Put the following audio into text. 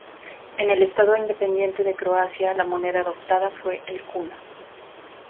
En el Estado Independiente de Croacia, la moneda adoptada fue el kuna.